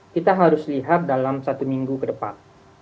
kita harus lihat dalam satu minggu ke depan